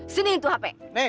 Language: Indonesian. sini itu hp